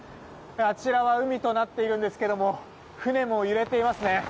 あちらは海となっているんですが船も揺れていますね。